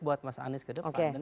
buat mas anies kedepan